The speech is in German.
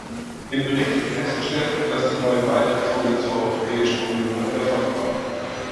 Im Bericht wird festgestellt, dass die neue Beitrittsrunde zu Europäischen Union ein Erfolg war.